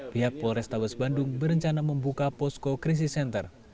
pihak polrestabes bandung berencana membuka posco crisis center